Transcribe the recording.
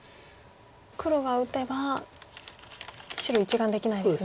黒が打てば白１眼できないですね。